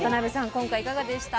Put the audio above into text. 今回いかがでした？